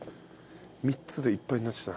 ３つでいっぱいになっちゃったな。